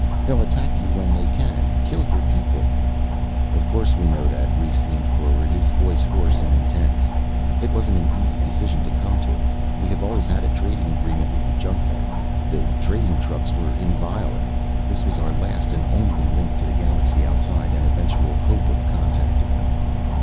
They'll attack you when they can, kill your people " "Of course we know that!" Rhes leaned forward, his voice hoarse and intense. "It wasn't an easy decision to come to. We have always had a trading agreement with the junkmen. The trading trucks were inviolate. This was our last and only link to the galaxy outside and eventual hope of contacting them."